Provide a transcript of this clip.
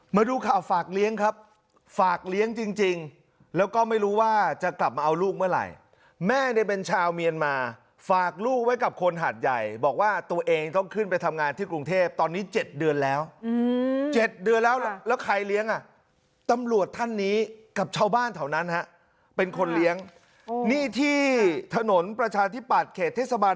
มาดูข่าวฝากเลี้ยงครับฝากเลี้ยงจริงแล้วก็ไม่รู้ว่าจะกลับมาเอาลูกเมื่อไหร่แม่เนี่ยเป็นชาวเมียนมาฝากลูกไว้กับคนหาดใหญ่บอกว่าตัวเองต้องขึ้นไปทำงานที่กรุงเทพตอนนี้๗เดือนแล้ว๗เดือนแล้วแล้วใครเลี้ยงอ่ะตำรวจท่านนี้กับชาวบ้านแถวนั้นฮะเป็นคนเลี้ยงนี่ที่ถนนประชาธิปัตยเขตเทศบาล